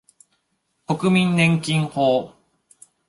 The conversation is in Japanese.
国民年金法